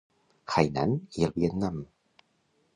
Hainan i el Vietnam.